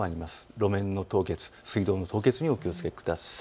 路面の凍結、水道の凍結にお気をつけください。